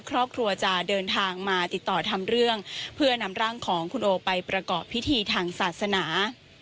ครอบครัวจะเดินทางมาติดต่อทำเรื่องเพื่อนำร่างของคุณโอไปประกอบพิธีทางศาสนา